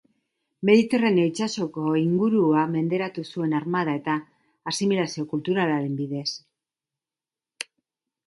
Mediterraneo itsasoko ingurua menderatu zuen armada eta asimilazio kulturalaren bidez.